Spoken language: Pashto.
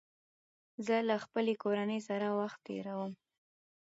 زه له خپلې کورنۍ سره وخت تېروم